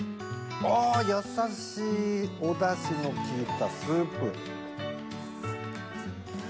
あやさしいおだしの効いたスープ。